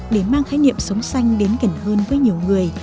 để mang khái niệm sống xanh đến gần hơn với nhiều người